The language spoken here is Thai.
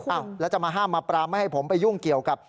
อ้าวแล้วจะมาห้ามมาปรามไม่ให้ผมไปยุ่งเกี่ยวกับ